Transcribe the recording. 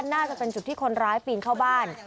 น่าจะเป็นจุดที่คนร้ายปีนเข้าบ้าน